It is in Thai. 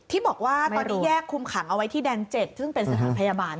ที่บอกว่าตอนนี้แยกคุมขังเอาไว้ที่แดน๗ซึ่งเป็นสถานพยาบาล